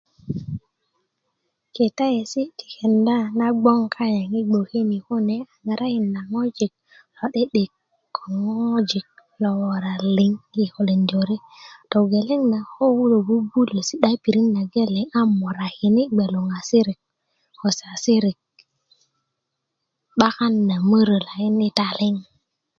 kitasi ti kenda na gboŋ kayaŋ yi gboke ni kune a karatinda ŋojik lo 'di'di ko ŋojik lo wora liŋ gelere togeleng na ko kulo 'bu'bulö si'da yi pirit nageleng a morakini gbeŋge lukarasirik ko sasirik 'bakan na mörö lakin yi taliŋ